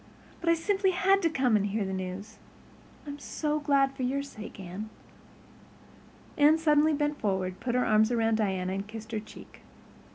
But I simply had to come and hear the news. I'm so glad for your sake, Anne." Anne suddenly bent forward, put her arms about Diana, and kissed her cheek.